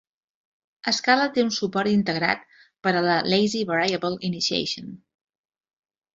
Scala té un suport integrat per a la "lazy variable initiation".